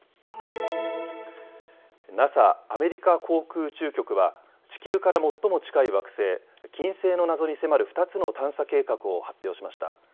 ＮＡＳＡ・アメリカ航空宇宙局は地球から最も近い惑星、金星の謎に迫る２つの探査計画を発表しました。